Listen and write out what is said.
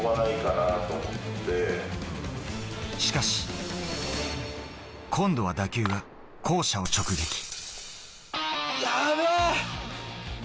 しかし、今度は打球が校舎を直撃。